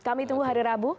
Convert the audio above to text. kami tunggu hari rabu